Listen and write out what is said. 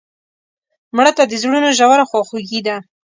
مړه ته د زړونو ژوره خواخوږي ده